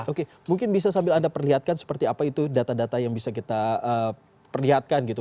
oke mungkin bisa sambil anda perlihatkan seperti apa itu data data yang bisa kita perlihatkan gitu